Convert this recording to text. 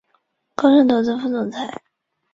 一切一切使民主党的声势进一步滑落。